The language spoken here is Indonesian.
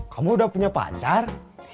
kamu udah punya pacar